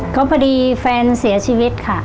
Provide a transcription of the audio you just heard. ก็พอดีแฟนเสียชีวิตค่ะ